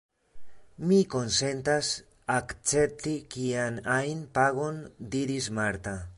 Mi konsentas akcepti kian ajn pagon, diris Marta.